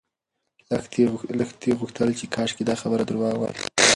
لښتې غوښتل چې کاشکې دا خبر درواغ وای.